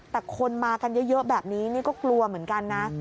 แต่คนมากันเยอะแบบนี้นี่ก็กลัวเหมือนกันนะ